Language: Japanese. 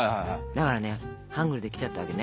だからねハングルできちゃったわけね。